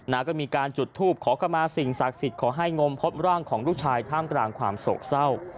ก็มีการจุดทูปขอเข้ามาสิ่งศักดิ์สิทธิ์ขอให้งมพบร่างของลูกชายท่ามกลางความโศกเศร้า